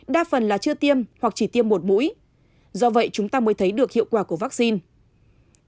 đa phần là chưa tiêm hoặc chỉ tiêm một mũi do vậy chúng ta mới thấy được hiệu quả của vaccine